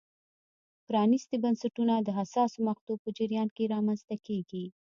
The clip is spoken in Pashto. پرانیستي بنسټونه د حساسو مقطعو په جریان کې رامنځته کېږي.